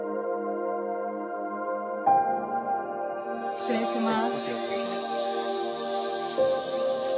失礼します。